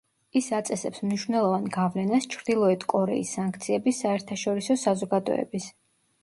ის აწესებს მნიშვნელოვან გავლენას ჩრდილოეთ კორეის სანქციების საერთაშორისო საზოგადოების.